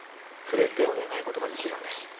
触れてお願い事ができるんです。